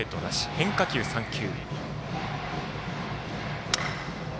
変化球３球。